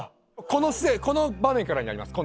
この場面からになります